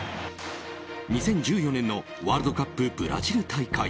２０１４年のワールドカップブラジル大会。